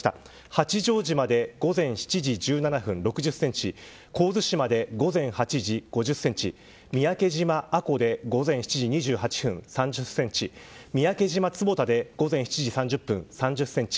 八丈島で午前７時１７分、６０センチ神津島で午前８時、５０センチ三宅島阿古で午前７時２８分、３０センチ三宅島坪田で午前７時３０分、３０センチ